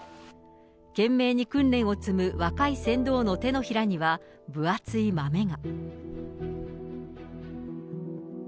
懸命に訓練を積む若い船頭の手のひらには、分厚いまめが。